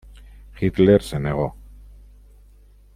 Hitler se negó.